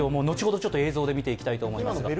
後ほど映像で見ていきたいと思います。